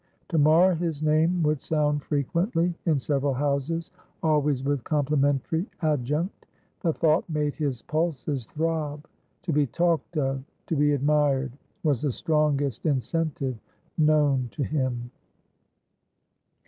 To morrow his name would sound frequently in several houses, always with complimentary adjunct. The thought made his pulses throb. To be talked of, to be admired, was the strongest incentive known to him.